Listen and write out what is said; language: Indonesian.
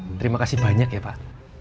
terima kasih banyak ya pak